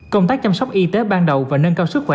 công tác chăm sóc y tế ban đầu và nâng cao sức khỏe